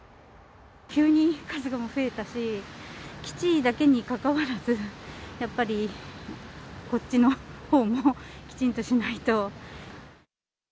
急に数が増えたし、基地だけにかかわらず、やっぱりこっちのほうもきちんとしないと。